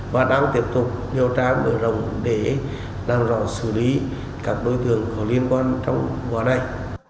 và đang tiếp tục điều tra mở rộng để làm rõ xử lý các đối tượng có liên quan trong vụ án này